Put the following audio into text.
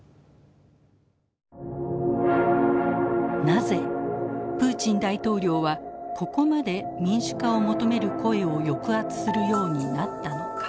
なぜプーチン大統領はここまで民主化を求める声を抑圧するようになったのか。